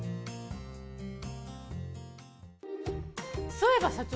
そういえば社長